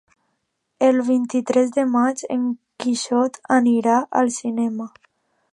El vint-i-tres de maig en Quixot anirà al cinema.